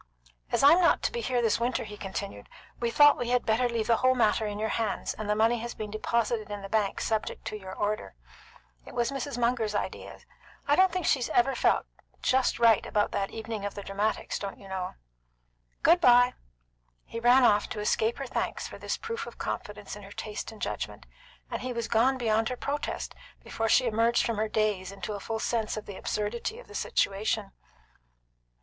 "As I'm not to be here this winter," he continued, "we thought we had better leave the whole matter in your hands, and the money has been deposited in the bank subject to your order. It was Mrs. Munger's idea. I don't think she's ever felt just right about that evening of the dramatics, don't you know. Good bye!" He ran off to escape her thanks for this proof of confidence in her taste and judgment, and he was gone beyond her protest before she emerged from her daze into a full sense of the absurdity of the situation.